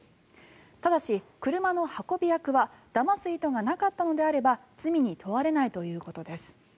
ただし、車の運び役はだます意図がなかったのであれば罪に問われないということです。